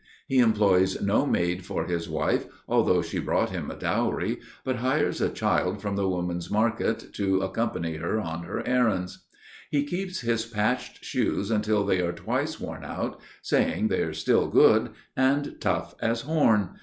He employs no maid for his wife, although she brought him a dowry, but hires a child from the woman's market to accompany her on her errands. He keeps his patched shoes until they are twice worn out, saying they are still good, and tough as horn.